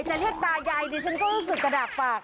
ผู้หญิงใจในตายายนี่ฉันก็รู้สึกกระดาบปาก